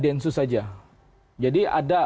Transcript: densus saja jadi ada